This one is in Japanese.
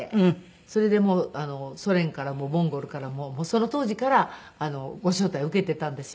それでソ連からもモンゴルからもその当時からご招待を受けていたんですよ